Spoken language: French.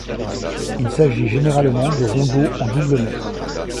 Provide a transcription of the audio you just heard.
Il s'agit généralement de rondeaux en double mètre.